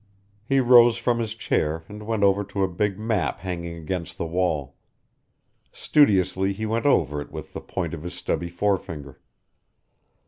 He rose from his chair and went over to a big map hanging against the wall. Studiously he went over it with the point of his stubby forefinger.